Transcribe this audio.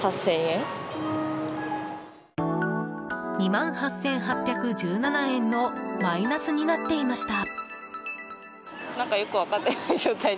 ２万８８１７円のマイナスになっていました。